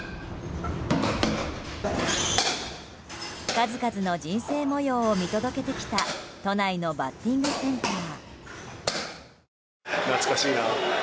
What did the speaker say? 数々の人生模様を見届けてきた都内のバッティングセンター。